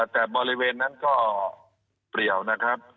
แต่บริเวณนั้นก็เปรียวนะครับ